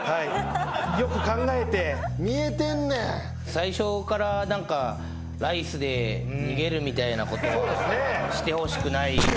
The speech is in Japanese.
最初からライスで逃げるみたいなことはしてほしくない。